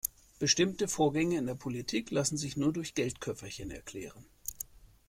Bestimmte Vorgänge in der Politik lassen sich nur durch Geldköfferchen erklären.